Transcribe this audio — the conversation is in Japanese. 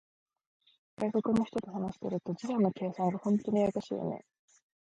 海外の人と話していると、時差の計算が本当にややこしいよね。